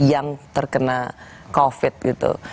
yang terkena covid gitu